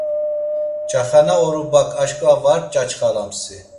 Çaxana orubak aşǩva var çaçxalamsi?